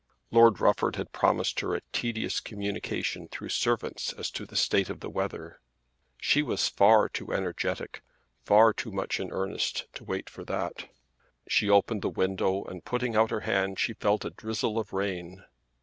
Lord Rufford had promised her a tedious communication through servants as to the state of the weather. She was far too energetic, far too much in earnest, to wait for that. She opened the window and putting out her hand she felt a drizzle of rain.